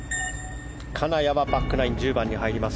金谷はバックナイン１０番に入ります。